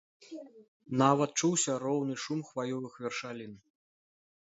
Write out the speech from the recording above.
Нават чуўся роўны шум хваёвых вершалін.